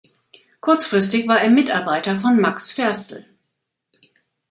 Kurzfristig war er Mitarbeiter von Max Ferstel.